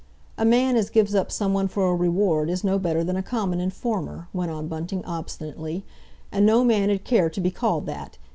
"A man as gives up someone for a reward is no better than a common informer," went on Bunting obstinately. "And no man 'ud care to be called that!